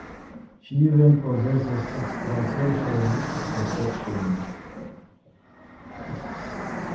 She even possesses extrasensory perception.